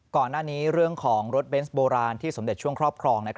ก่อนหน้านี้เรื่องของรถเบนซ์โบราณที่สมเด็จช่วงครอบครอง